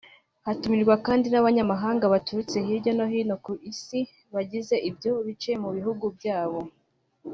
Hatumirwa kandi n’abanyamahanga baturutse hirya no hino ku isi bagize ibyo bice mu bihugu byabo